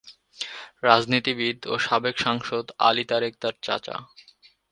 রাজনীতিবিদ ও সাবেক সাংসদ আলী তারেক তাঁর চাচা।